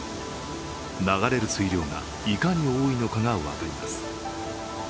流れる水量がいかに多いのかが分かります。